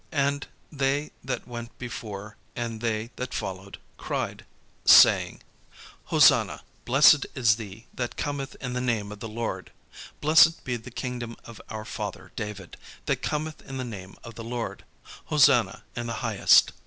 And they that went before and they that followed, cried, saying: "Hosanna; Blessed is he that cometh in the name of the Lord: blessed be the kingdom of our father David, that cometh in the name of the Lord: Hosanna in the highest."